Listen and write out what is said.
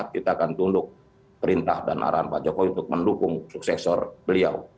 kita akan tunduk perintah dan arahan pak jokowi untuk mendukung suksesor beliau